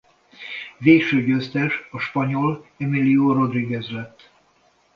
Végső győztes a spanyol Emilio Rodríguez lett.